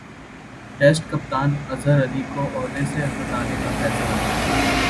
test کپتان اظہرعلی کو عہدہ سےہٹانےکا فیصلہ